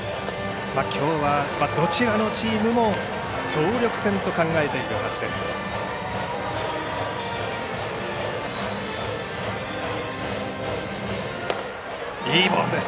きょうはどちらのチームも総力戦と考えているはずです。